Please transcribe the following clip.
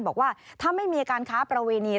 บอกว่าถ้าไม่มีการค้าประเวณี